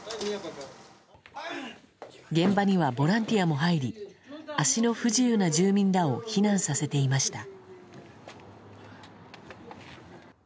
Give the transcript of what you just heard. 現場にはボランティアも入り足の不自由な住民らを避難させていました。